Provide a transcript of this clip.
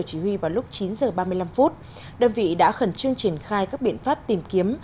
trong lúc chín h ba mươi năm phút đơn vị đã khẩn trương triển khai các biện pháp tìm kiếm